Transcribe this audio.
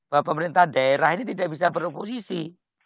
bahwa pemerintah daerah ini tidak bisa beroposisi